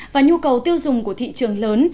và nhu cầu tiêu dùng của các doanh nghiệp việt nam